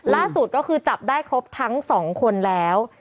ล่าสุดก็คือจับได้ครบทั้ง๒คนแล้ว